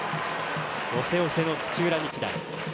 押せ押せの土浦日大。